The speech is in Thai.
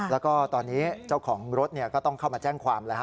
แล้วก็ตอนนี้เจ้าของรถก็ต้องเข้ามาแจ้งความแล้วฮ